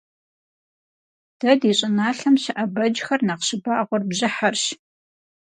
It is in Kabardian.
Дэ ди щIыналъэм щыIэ бэджхэр нэхъ щыбагъуэр бжьыхьэрщ.